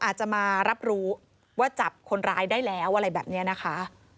อาจจะมารับรู้ว่าจับคนร้ายได้แล้วอะไรแบบนี้นะคะ